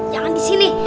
jangan di sini